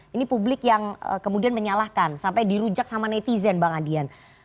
ini publik yang kemudian menyalahkan sampai dirujak sama netizen bang adian